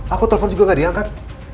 aku telpon juga gak diangkat